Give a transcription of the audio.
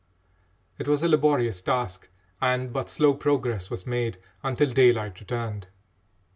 It was a laborious task, and but slow progress was made until daylight returned.